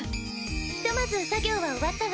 ひとまず作業は終わったわ。